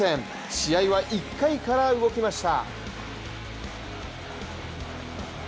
試合は１回から動きました。